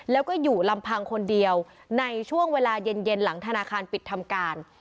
แล้วก็อยู่ลำพังคนเดียวในช่วงเวลาเย็นหลังธนาคารปิดทำการ